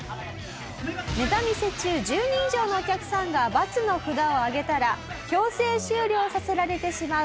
ネタ見せ中１０人以上のお客さんがバツの札を上げたら強制終了させられてしまう